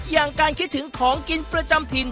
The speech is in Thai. อย่างการคิดถึงของกินประจำถิ่น